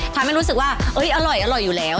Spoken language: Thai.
ทำให้รู้สึกว่าอร่อยอยู่แล้ว